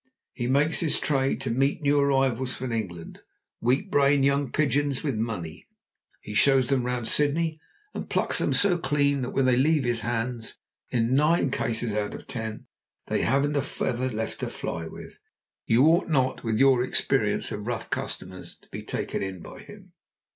He makes it his trade to meet new arrivals from England weak brained young pigeons with money. He shows them round Sydney, and plucks them so clean that, when they leave his hands, in nine cases out of ten, they haven't a feather left to fly with. You ought not, with your experience of rough customers, to be taken in by him."